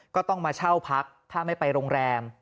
ก็ต้องมาเช่าพักถ้าไม่ไปโรงแรม